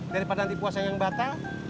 daripada nanti puasa yang batal